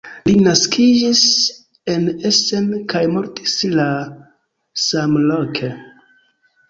Li naskiĝis en Essen kaj mortis la samloke.